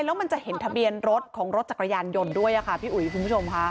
แล้วมันจะเห็นทะเบียนรถของรถจักรยานยนต์ด้วยค่ะพี่อุ๋ยคุณผู้ชมค่ะ